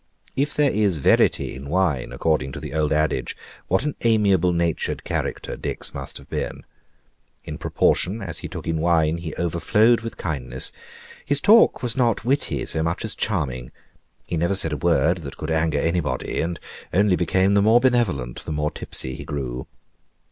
If there is verity in wine, according to the old adage, what an amiable natured character Dick's must have been! In proportion as he took in wine he overflowed with kindness. His talk was not witty so much as charming. He never said a word that could anger anybody, and only became the more benevolent the more tipsy he grew.